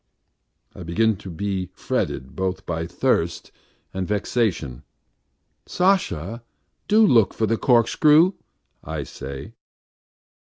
.. I begin to be fretted both by thirst and vexation. "Sasha, do look for the corkscrew," I say.